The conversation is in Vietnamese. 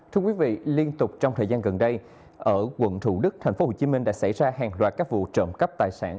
thưa quý vị liên tục trong thời gian gần đây ở quận thủ đức tp hcm đã xảy ra hàng loạt các vụ trộm cắp tài sản